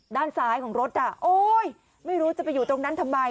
ด้านซ้ายของรถอ่ะโอ๊ยไม่รู้จะไปอยู่ตรงนั้นทำไม